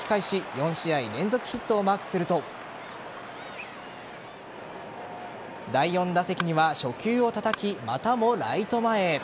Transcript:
４試合連続ヒットをマークすると第４打席には初球をたたき、またもライト前へ。